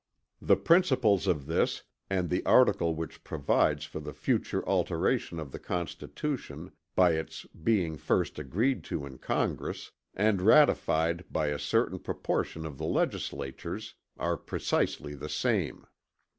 The principles of this, and the article which provides for the future alteration of the Constitution by its being first agreed to in Congress, and ratified by a certain proportion of the legislatures, are precisely the same.